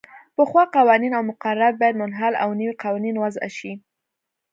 پخوا قوانین او مقررات باید منحل او نوي قوانین وضعه شي.